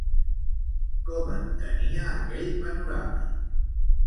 Com entenia aquell panorama?